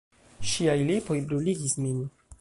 Ŝiaj lipoj bruligis min.